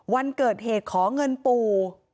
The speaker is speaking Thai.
วันเกิดเหตุขอเงินปู่